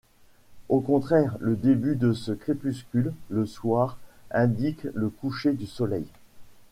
Au contraire, le début de ce crépuscule, le soir, indique le coucher du Soleil.